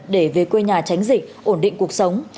để về quê nhà tránh dịch ổn định cuộc sống